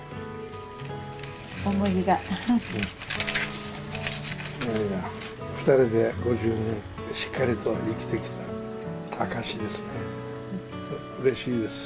なんか、２人で５０年、しっかりと生きてきた証しですね。